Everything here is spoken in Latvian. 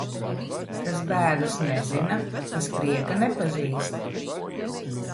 Kas bēdas nezina, tas prieka nepazīst.